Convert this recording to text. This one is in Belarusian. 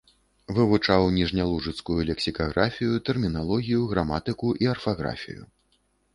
Вывучаў ніжнялужыцкую лексікаграфію, тэрміналогію, граматыку і арфаграфію.